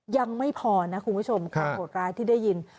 ยังไม่พอนะคุณผู้ชมความโหดร้ายที่ได้ยิน